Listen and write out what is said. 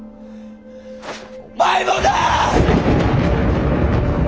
お前もだ！